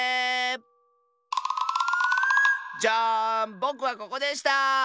ぼくはここでした！